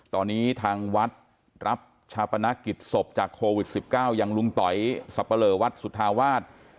ตอนนี้ทางวัดรับชาปนกิจศพจากโควิด๑๙อย่างลุงต๋อยสับปะเลอวัดสุธาวาส